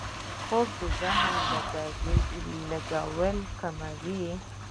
خوب د ذهن لګیاوي کموي